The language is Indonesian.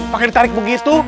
pakai ditarik begitu